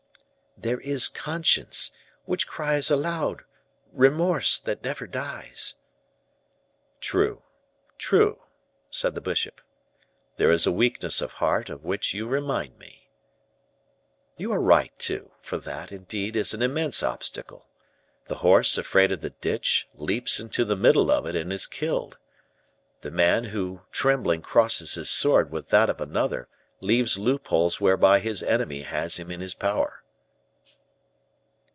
"There is conscience, which cries aloud; remorse, that never dies." "True, true," said the bishop; "there is a weakness of heart of which you remind me. You are right, too, for that, indeed, is an immense obstacle. The horse afraid of the ditch, leaps into the middle of it, and is killed! The man who trembling crosses his sword with that of another leaves loopholes whereby his enemy has him in his power."